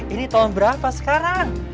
ini tahun berapa sekarang